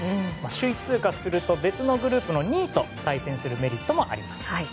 首位通過すると別のグループの２位と対戦するメリットもあります。